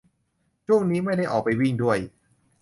ช่วงนี้ไม่ได้ออกไปวิ่งด้วย